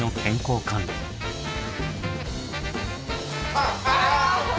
あっ！